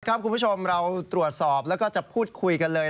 คุณผู้ชมเราตรวจสอบแล้วก็จะพูดคุยกันเลย